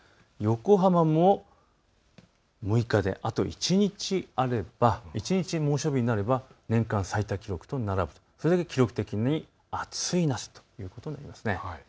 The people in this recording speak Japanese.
横浜も６日であと１日、猛暑日になれば年間最多記録と並ぶという、それで記録的に暑い夏になるということです。